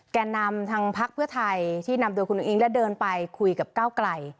แก่นำทางพักเพื่อไทยที่นำโดยคุณอุ้งและเดินไปคุยกับก้าวไกล